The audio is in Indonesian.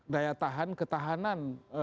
daya tahan ketahanan